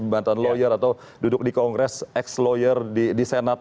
mantan lawyer atau duduk di kongres ex lawyer di senat